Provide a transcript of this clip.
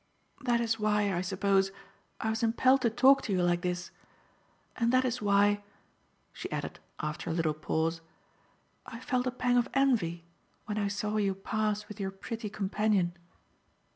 That is why, I suppose, I was impelled to talk to you like this. And that is why," she added, after a little pause, "I felt a pang of envy when I saw you pass with your pretty companion."